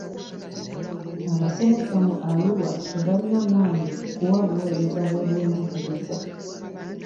Abasomesa mu Arua tebalina maanyi kuwa buweereza bw'ebyenjigiriza.